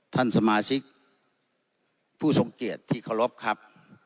ท่านสมาชิกผู้สมเกียจที่ขอบคุณครับ